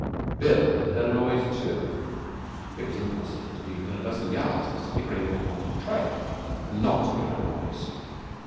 Bill had heard a noise too. It was impossible to be within a dozen yards of Mr Pickering, when on the trail, and not hear a noise.